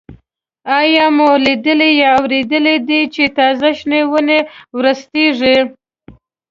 آیا مو لیدلي یا اورېدلي دي چې تازه شنې ونې ورستېږي؟